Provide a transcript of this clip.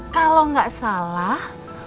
kalau gak salah